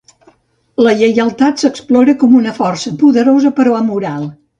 La lleialtat s'explora com una força poderosa però amoral.